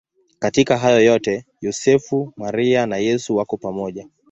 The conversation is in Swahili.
Katika hayo yote Yosefu, Maria na Yesu wako pamoja.